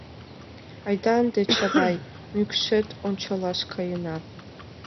Айда ынде, Чавай, мӱкшет ончалаш каена.